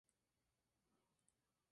Además ofrecen protección ante el clima.